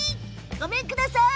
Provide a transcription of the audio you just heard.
ごめんください！